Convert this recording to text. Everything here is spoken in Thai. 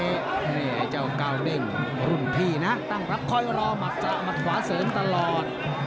นี่ไอ้เจ้าก้าวเด้งรุ่นพี่นะตั้งรับคอยรอมัดขวาเสิร์ฟตลอด